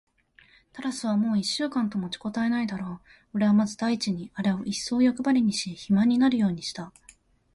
タラスはもう一週間と持ちこたえないだろう。おれはまず第一にあれをいっそうよくばりにし、肥満になるようにした。